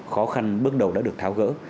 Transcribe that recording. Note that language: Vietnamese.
khoa khăn bước đầu đã được tháo gỡ